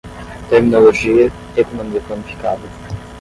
Terminologia, economia planificada